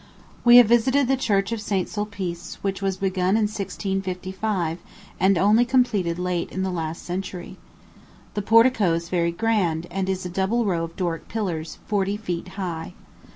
We have visited the Church of St. Sulpice, which was begun in 1655, and only completed late in the last century. The portico is very grand, and is a double row of Doric pillars, forty feet high.